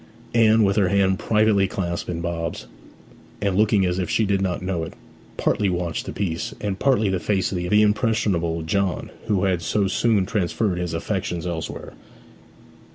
Anne, with her hand privately clasped in Bob's, and looking as if she did not know it, partly watched the piece and partly the face of the impressionable John who had so soon transferred his affections elsewhere.